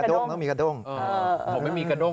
ต้องมีกระด้งต้องมีกระด้ง